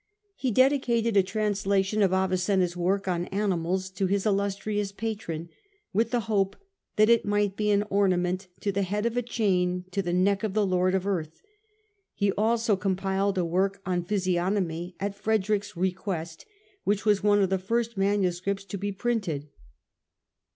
He dedicated a translation of Avicenna's work on Animals to his illustrious patron, with the hope that it might be an ornament to the head and a chain to the neck of the Lord of Earth : he also compiled a work on Physiognomy at Frederick's request, which was one of the first manuscripts to be printed.